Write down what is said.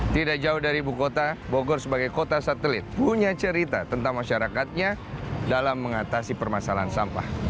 tidak jauh dari ibu kota bogor sebagai kota satelit punya cerita tentang masyarakatnya dalam mengatasi permasalahan sampah